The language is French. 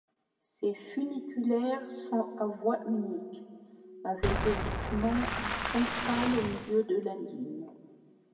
Ces funiculaires sont à voie unique, avec évitement central au milieu de la ligne.